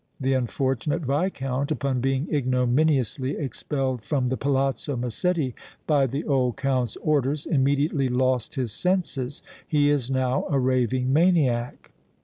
The unfortunate Viscount, upon being ignominiously expelled from the Palazzo Massetti by the old Count's orders, immediately lost his senses; he is now a raving maniac!"